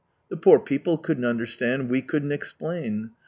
The poor people couldn't understand, we couldn't explain.